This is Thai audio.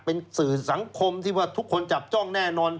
เป็นสื่อสังคมที่ว่าทุกคนจับจ้องแน่นอน